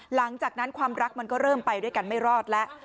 หลังจากนั้นความรักมันก็เริ่มไปด้วยกันไม่รอดแล้ว